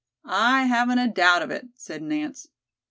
"I haven't a doubt of it," said Nance.